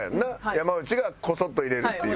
山内がコソッと入れるっていう。